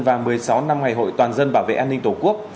và một mươi sáu năm ngày hội toàn dân bảo vệ an ninh tổ quốc